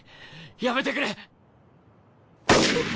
やめてくれ！